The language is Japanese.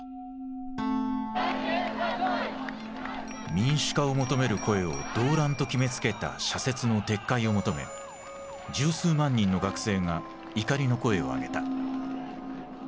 民主化を求める声を「動乱」と決めつけた社説の撤回を求め十数万人の学生が怒りの声を上げた。